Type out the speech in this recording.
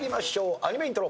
アニメイントロ。